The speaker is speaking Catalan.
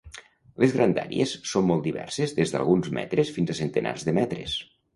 Les grandàries són molt diverses des d'alguns metres fins a centenars de metres.